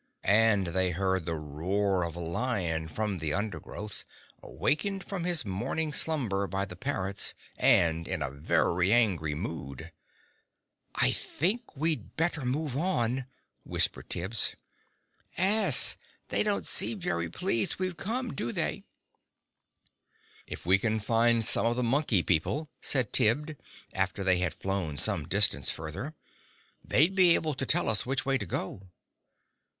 And they heard the roar of a lion from the undergrowth, awakened from his morning slumber by the parrots, and in a very angry mood. "I think we'd better move on," whispered Tibbs. "'Es. They don't seem very pleased we've come, do they?" "If we can find some of the Monkey People," said Tibbs, after they had flown some distance further, "they'd be able to tell us which way to go."